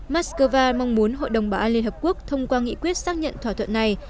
moscow mong muốn hội đồng bảo an liên hợp quốc thông qua nghị quyết xác nhận thỏa thuận này